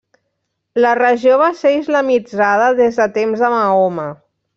La regió va ser islamitzada des de temps de Mahoma.